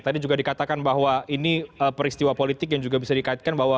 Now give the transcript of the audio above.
tadi juga dikatakan bahwa ini peristiwa politik yang juga bisa dikaitkan bahwa